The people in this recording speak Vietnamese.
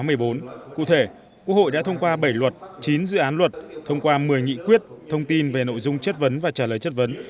cụ thể quốc hội đã thông qua bảy luật chín dự án luật thông qua một mươi nghị quyết thông tin về nội dung chất vấn và trả lời chất vấn